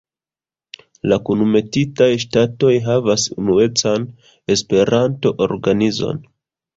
La kunmetitaj ŝtatoj havas unuecan Esperanto-organizon.